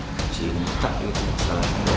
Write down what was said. kecintaan itu masalahnya